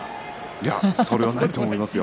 いやそれはないと思いますよ。